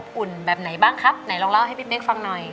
อุ่นแบบไหนบ้างครับไหนลองเล่าให้พี่เป๊กฟังหน่อย